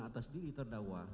atas diri terdakwa